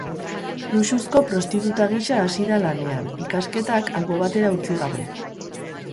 Luxuzko prostituta gisa hasi da lanean, ikasketak albo batera utzi gabe.